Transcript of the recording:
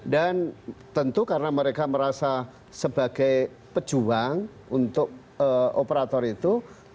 dan tentu karena mereka merasa sebagai pejuang untuk operator itu